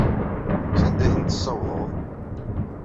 Sanda ay ten-tessawḍeḍ?